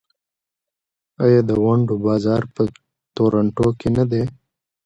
آیا د ونډو بازار په تورنټو کې نه دی؟